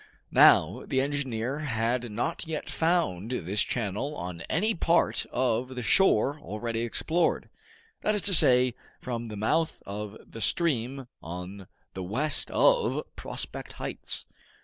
Now the engineer had not yet found this channel on any part of the shore already explored, that is to say, from the mouth of the stream on the west of Prospect Heights.